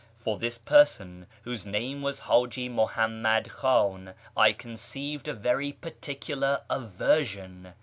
For this person, whose name was Haji Muhammad Khan, I conceived a very particular aversion.